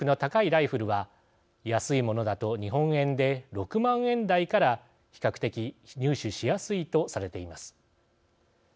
ライフルは安いものだと日本円で６万円台から比較的入手しやすいとされています。